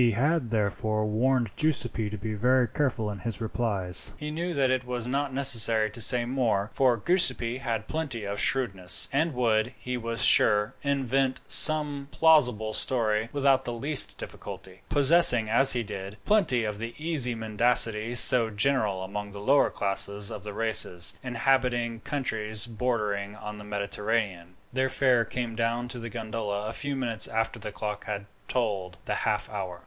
He had therefore warned Giuseppi to be very careful in his replies. He knew that it was not necessary to say more, for Giuseppi had plenty of shrewdness, and would, he was sure, invent some plausible story without the least difficulty, possessing, as he did, plenty of the easy mendacity so general among the lower classes of the races inhabiting countries bordering on the Mediterranean. Their fare came down to the gondola a few minutes after the clock had tolled the half hour.